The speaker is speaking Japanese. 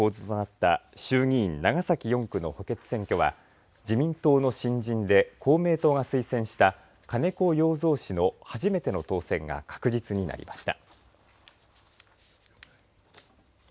お伝えしましたように、与野党対決の構図となった衆議院長崎４区の補欠選挙は自民党の新人で公明党と推薦した金子容三氏の初めての当選が確実になりました。